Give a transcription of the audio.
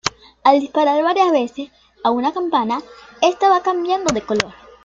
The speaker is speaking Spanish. Al disparar varias veces a una campana, esta va cambiando de color.